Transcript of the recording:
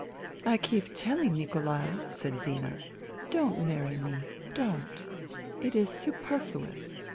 " I keep telling Nikolai," said Zina, "' don't marry me, don't. It is superfluous.